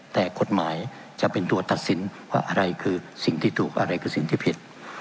แต่กฎหมายจะเป็นตัวตัดสินว่าอะไรคือสิ่งที่ถูกอะไรคือสิ่งที่ผิด